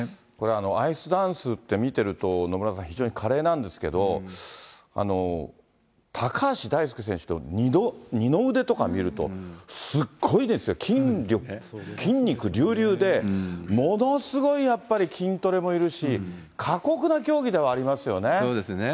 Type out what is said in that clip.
アイスダンスって、見てると野村さん、非常に華麗なんですけど、高橋大輔選手の二の腕とか見ると、すっごいんですよ、筋肉隆々で、ものすごいやっぱり筋トレもいるし、そうですね。